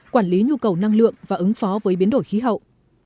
quản lý nhu cầu năng lượng và ứng phó với biến đổi khí hậu